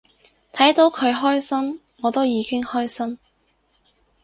睇到佢開心我都已經開心